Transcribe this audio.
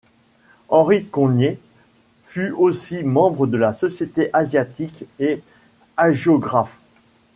Henri Congnet fut aussi membre de la Société asiatique et hagiographe.